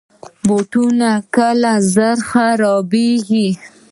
بوټونه کله زر خرابیږي.